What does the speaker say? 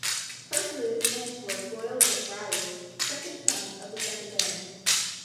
Hercules Langford Boyle Rowley, second son of the second Baron.